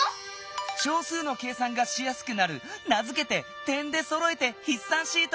小数の計算がしやすくなる名づけて「点でそろえてひっ算シート」！